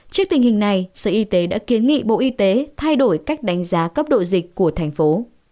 trước tình hình này sở y tế đã kiến nghị bộ y tế thay đổi cách đánh giá cấp độ dịch của thành phố